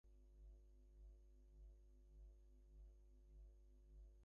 Nymphs spend two or three years feeding on tree roots before they emerge.